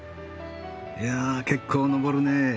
いや結構登るね。